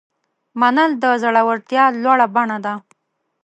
منل د زړورتیا لوړه بڼه ده.